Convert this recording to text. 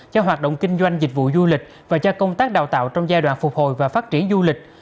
cho hoạt động kinh doanh dịch vụ du lịch và cho công tác đào tạo trong giai đoạn phục hồi và phát triển du lịch